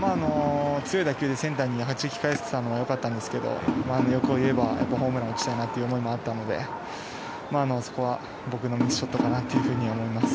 強い打球でセンターにはじき返せたのはよかったんですが欲を言えばホームランを打ちたいなという思いもあったのでそこは僕のミスショットかなと思います。